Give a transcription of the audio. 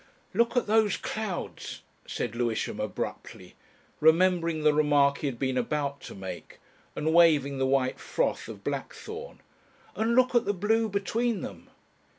"Look at those clouds," said Lewisham abruptly, remembering the remark he had been about to make and waving the white froth of blackthorn, "And look at the blue between them."